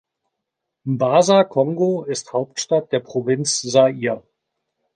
M’banza Kongo ist Hauptstadt der Provinz Zaire.